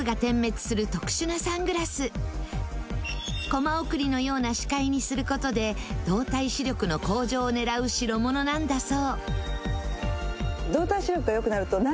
コマ送りのような視界にする事で動体視力の向上を狙う代物なんだそう。